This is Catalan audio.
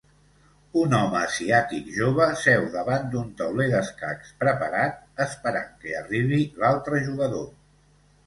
Un home asiàtic jove seu davant d'un tauler d'escacs preparat esperant que arribi l'altre jugador